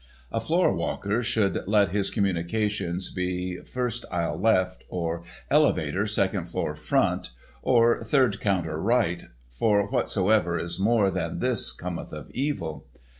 A floor walker should let his communications be "first aisle left," or "elevator, second floor front," or "third counter right," for whatsoever is more than this cometh of evil.